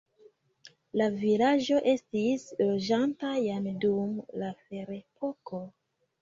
La vilaĝo estis loĝata jam dum la ferepoko.